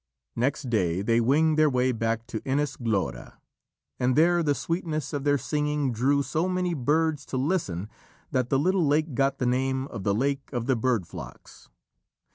Next day they winged their way back to Inis Glora, and there the sweetness of their singing drew so many birds to listen that the little lake got the name of the Lake of the Bird Flocks.